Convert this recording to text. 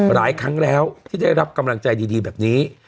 หลายครั้งแล้วที่ได้รับกำลังใจดีแบบนี้